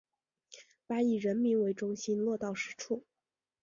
把以人民为中心落到实处